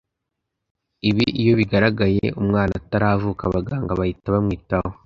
Ibi iyo bigaragaye umwana ataravuka abaganga bahita bamwitaho